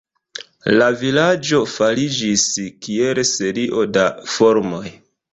La vilaĝo formiĝis, kiel serio da farmoj.